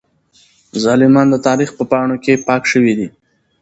ظالمان د تاريخ په پاڼو کې پاک شوي دي.